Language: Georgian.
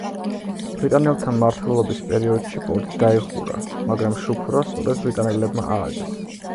ბრიტანელთა მმართველობის პერიოდში პორტი დაიხურა, მაგრამ შუქურა სწორედ ბრიტანელებმა ააგეს.